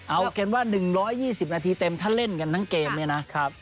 เอาเป็นว่า๑๒๐นาทีเต็มถ้าเล่นกันทั้งเกมเนี่ยนะ